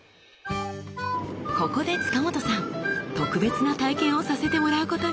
ここで塚本さん特別な体験をさせてもらうことに。